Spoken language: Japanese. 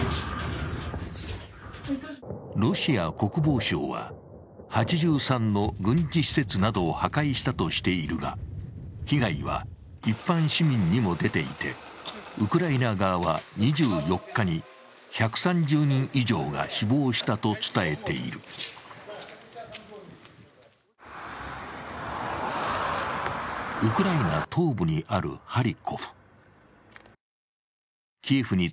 ロシア国防省は、８３の軍事施設などを破壊したとしているが、被害は一般市民にも出ていて、ウクライナ側は２４日に１３０人以上が死亡したと伝えているウクライナ東部にあるハリコフ。